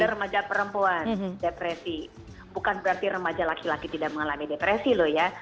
jadi pada remaja perempuan depresi bukan berarti remaja laki laki tidak mengalami depresi loh ya